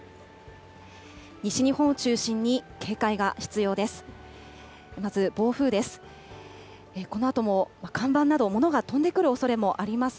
西日本を中心に警戒が必要です。